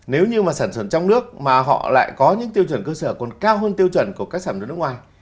nếu như mà sản phẩm trong nước mà họ lại có những tiêu chuẩn cơ sở còn cao hơn tiêu chuẩn của các sản phẩm nước ngoài